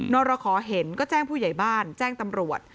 รขอเห็นก็แจ้งผู้ใหญ่บ้านแจ้งตำรวจ